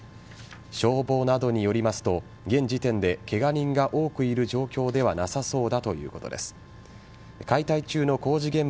消防などによりますと現時点でケガ人が多くいる状況ではなさそうだ